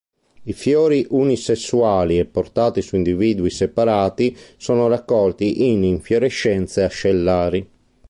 I fiori unisessuali e portati su individui separati, sono raccolti in infiorescenze ascellari.